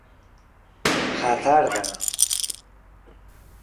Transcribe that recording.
hazarda